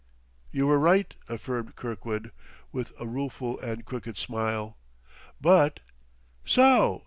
"You were right," affirmed Kirkwood, with a rueful and crooked smile. "But " "So!